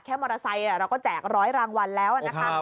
แค่มอเตอร์ไซต์เนี่ยเราก็แจกร้อยรางวัลแล้วนะครับ